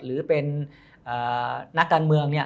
หรือเป็นนักการเมือง